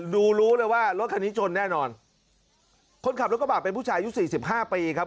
รู้เลยว่ารถคันนี้ชนแน่นอนคนขับรถกระบะเป็นผู้ชายอายุสี่สิบห้าปีครับ